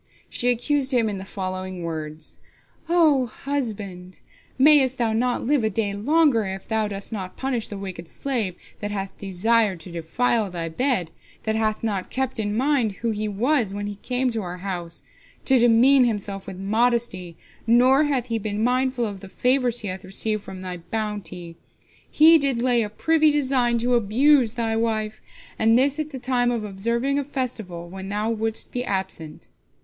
She accused him in the following words: "O husband, mayest thou not live a day longer, if thou dost not punish the wicked slave that hath desired to defile thy bed, that hath not kept in mind who he was when he came to our house, to demean himself with modesty, nor hath he been mindful of the favors he hath received from thy bounty. He did lay a privy design to abuse thy wife, and this at the time of observing a festival, when thou wouldst be absent."